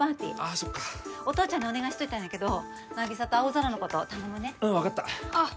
あそっかお父ちゃんにお願いしといたんやけどなぎさと青空のこと頼むねうん分かったあっ